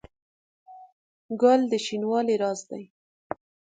ګل د شینوالي راز دی.